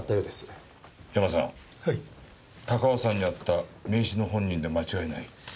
ヤマさん高尾山にあった名刺の本人で間違いない。